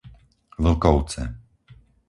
Vlkovce